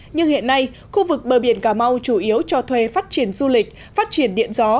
nhưng hiện nay khu vực bờ biển cà mau chủ yếu cho thuê phát triển du lịch phát triển điện gió